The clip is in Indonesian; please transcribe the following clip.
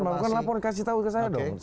bukan laporkan kasih tahu ke saya dong